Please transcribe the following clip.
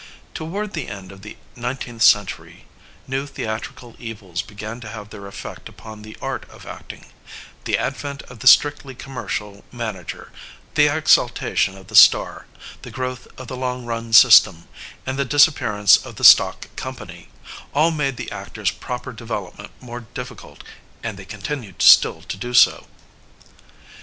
Toward the end of the nineteenth century new the atrical evils began to have their effect upon the art of acting : the advent of the strictly commercial man ager, the exaltation of the star, the growth of the long run system, and the disappearance of the stock company— all made the actor's proper development more difficult ; and they continue still to do so.